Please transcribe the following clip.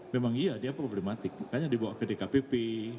memang iya dia problematik makanya dibawa ke dkpp